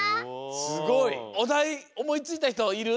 すごい！おだいおもいついたひといる？